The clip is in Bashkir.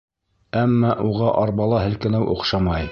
Әммә уға арбала һелкенеү оҡшамай.